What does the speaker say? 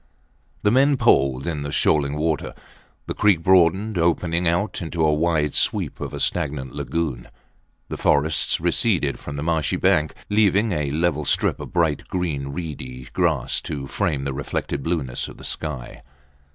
The men poled in the shoaling water. The creek broadened, opening out into a wide sweep of a stagnant lagoon. The forests receded from the marshy bank, leaving a level strip of bright green, reedy grass to frame the reflected blueness of the sky.